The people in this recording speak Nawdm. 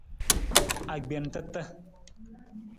Agbentata.